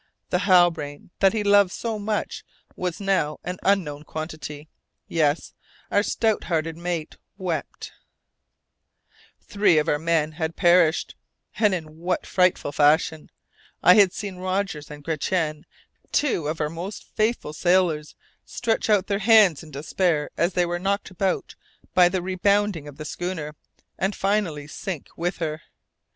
The Halbrane that he loved so much was now an unknown quantity! Yes, our stout hearted mate wept. [Illustration: The Halbrane, staved in, broken up.] Three of our men had perished, and in what frightful fashion! I had seen Rogers and Gratian, two of our most faithful sailors, stretch out their hands in despair as they were knocked about by the rebounding of the schooner, and finally sink with her!